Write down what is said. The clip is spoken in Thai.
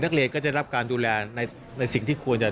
นักเลียนจะไปรับการดูแลช่วยสิ่งที่ก็นะครับ